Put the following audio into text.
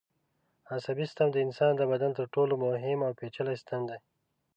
عصبي سیستم د انسان د بدن تر ټولو مهم او پېچلی سیستم دی.